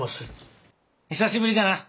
久しぶりじゃな。